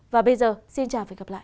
và bây giờ xin chào và hẹn gặp lại